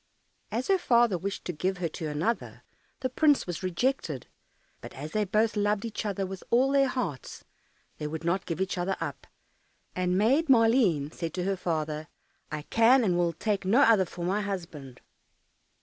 As her father wished to give her to another, the prince was rejected; but as they both loved each other with all their hearts, they would not give each other up, and Maid Maleen said to her father, "I can and will take no other for my husband."